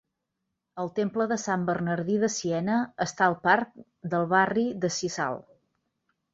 El temple de Sant Bernadí de Siena està al parc del barri de Sisal.